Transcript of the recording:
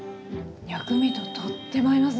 薬味ととっても合いますね。